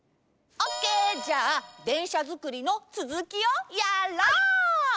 じゃあでんしゃづくりのつづきをやろう！